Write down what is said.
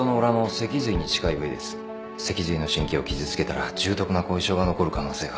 脊髄の神経を傷つけたら重篤な後遺症が残る可能性が。